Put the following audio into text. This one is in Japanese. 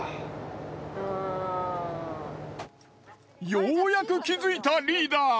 ようやく気付いたリーダー。